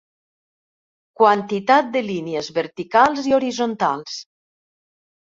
Quantitat de línies verticals i horitzontals.